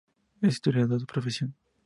Es historiador de profesión.